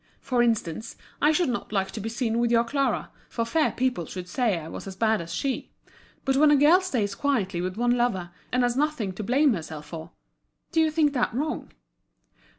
"For instance, I should not like to be seen with your Clara, for fear people should say I was as bad as she. But when a girl stays quietly with one lover, and has nothing to blame herself for—do you think that wrong?"